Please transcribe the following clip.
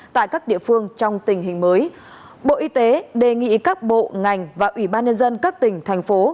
tại các địa phương trong tình hình mới bộ y tế đề nghị các bộ ngành và ủy ban nhân dân các tỉnh thành phố